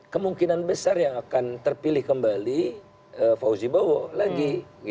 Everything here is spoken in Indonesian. kemungkinan besar yang akan terpilih kembali fauzi bowo lagi